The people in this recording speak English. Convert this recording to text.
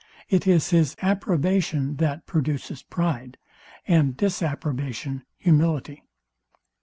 It is his approbation that produces pride; and disapprobation, humility.